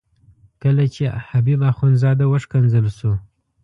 کله چې حبیب اخندزاده وښکنځل شو.